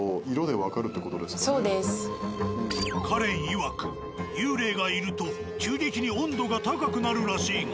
カレンいわく幽霊がいると急激に温度が高くなるらしいが。